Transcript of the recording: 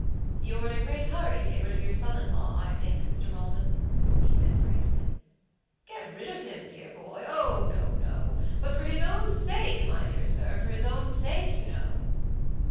"You're in a great hurry to get rid of your son in law, I think, Mr. Maldon," he said, gravely. "Get rid of him, dear boy! Oh, no, no! But for his own sake, my dear sir, for his own sake, you know."